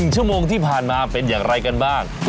ชั่วโมงที่ผ่านมาเป็นอย่างไรกันบ้าง